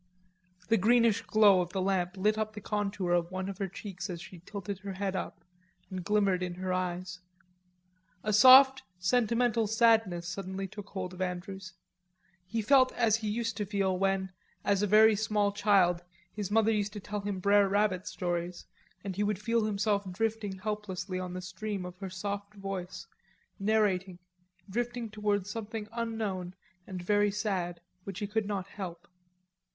The greenish glow of the lamp lit up the contour of one of her cheeks as she tilted her head up, and glimmered in her eyes. A soft sentimental sadness suddenly took hold of Andrews; he felt as he used to feel when, as a very small child, his mother used to tell him Br' Rabbit stories, and he would feel himself drifting helplessly on the stream of her soft voice, narrating, drifting towards something unknown and very sad, which he could not help.